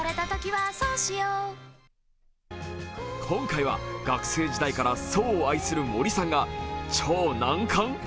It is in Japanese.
今回は、学生時代から爽を愛する森さんが超難問！？